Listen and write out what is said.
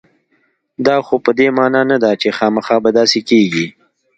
خو دا په دې معنا نه ده چې خامخا به داسې کېږي